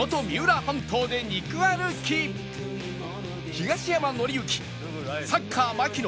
東山紀之サッカー槙野